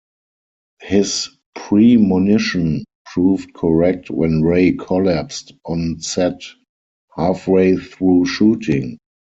His premonition proved correct when Ray collapsed on set halfway through shooting.